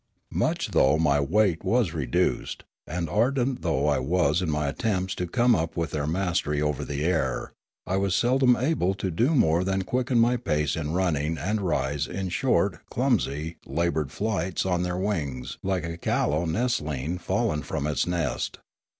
Much though my weight was reduced, and ardent though I was in my attempts to come up with their mastery over the air, I was seldom able to do more than quicken my pace in running and rise in short, clumsy, laboured flights on their wings like a callow nestling fallen from its nest.